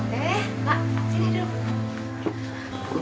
eh kak sini dulu